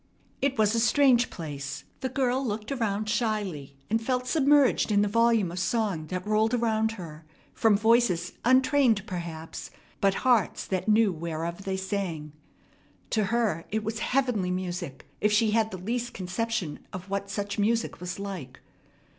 It was a strange place. The girl looked around shyly, and felt submerged in the volume of song that rolled around her, from voices untrained, perhaps, but hearts that knew whereof they sang. To her it was heavenly music, if she had the least conception of what such music was like.